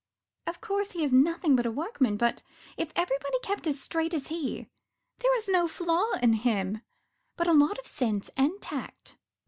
Of course, he is nothing but a workman, but if everybody kept as straight as he There is no flaw in him, but a lot of sense and tact.